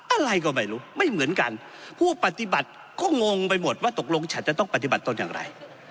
อะไรก็ไม่รู้ไม่เหมือนกันผู้ปฏิบัติก็งงไปหมดว่าตกลงฉันจะต้องปฏิบัติตนอย่างไร